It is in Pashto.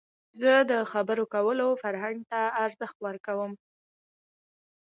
زه د خبرو کولو فرهنګ ته ارزښت ورکوم.